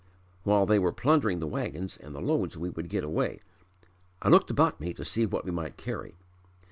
While they were plundering the wagons and the loads we would get away. I looked about me to see what we might carry.